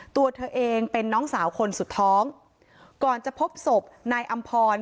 ตัวเธอเองเป็นน้องสาวคนสุดท้องก่อนจะพบศพนายอำพร